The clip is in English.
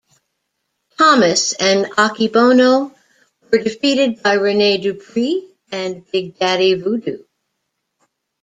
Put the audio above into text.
Thomas and Akebono were defeated by Rene Dupree and Big Daddy Voodoo.